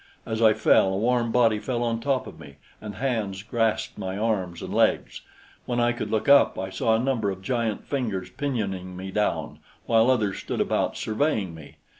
As I fell, a warm body fell on top of me, and hands grasped my arms and legs. When I could look up, I saw a number of giant figures pinioning me down, while others stood about surveying me.